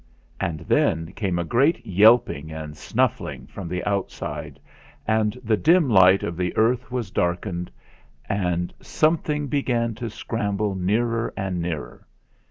And then came a great yelping and snuffling from the outside, and the dim light of the earth was darkened, and something began to scram ble nearer and nearer.